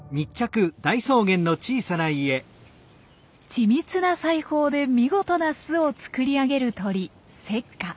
緻密な裁縫で見事な巣を作り上げる鳥セッカ。